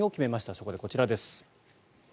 そこでこちらです。